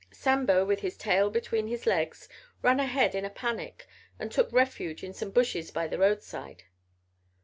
Sambo, with his tail between his legs, ran ahead, in a panic, and took refuge in some bushes by the roadside.